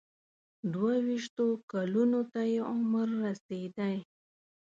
دوه ویشتو کلونو ته یې عمر رسېدی.